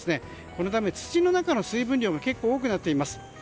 このため、土の中の水分量が多くなっています。